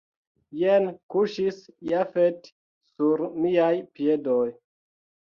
Jen kuŝis Jafet sur miaj piedoj.